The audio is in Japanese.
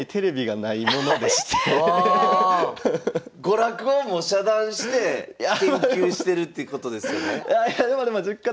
娯楽をも遮断して研究してるってことですよね？